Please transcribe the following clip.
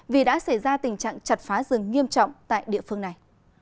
vì đã xảy ra tình trạng chặt phá rừng nghiêm trọng tại địa phương này